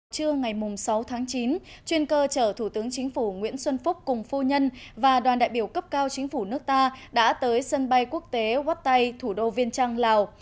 trưa ngày sáu tháng chín chuyên cơ chở thủ tướng chính phủ nguyễn xuân phúc cùng phu nhân và đoàn đại biểu cấp cao chính phủ nước ta đã tới sân bay quốc tế wttai thủ đô viên trăng lào